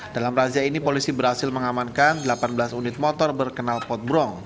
dalam razia ini polisi berhasil mengamankan delapan belas unit motor berkenal potbrong